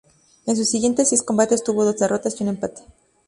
En sus siguientes diez combates tuvo dos derrotas y un empate.